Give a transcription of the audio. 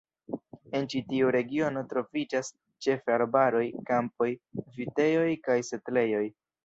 En ĉi tiu regiono troviĝas ĉefe arbaroj, kampoj, vitejoj kaj setlejoj.